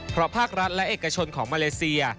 เพราะภาครัฐและเอกชนของมาเลเซีย